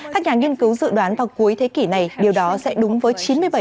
các nhà nghiên cứu dự đoán vào cuối thế kỷ này điều đó sẽ đúng với chín mươi bảy